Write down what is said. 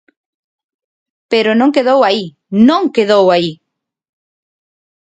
Pero non quedou aí, ¡non quedou aí!